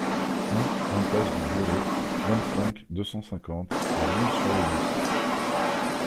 un impasse du Gelot, vingt-cinq, deux cent cinquante à L'Isle-sur-le-Doubs